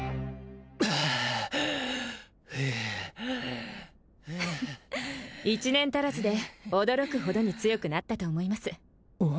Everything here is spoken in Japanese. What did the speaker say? はあはあフフッ一年足らずで驚くほどに強くなったと思います